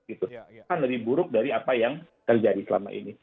akan lebih buruk dari apa yang terjadi selama ini